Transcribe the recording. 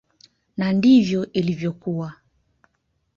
Na ndivyo ilivyokuwa.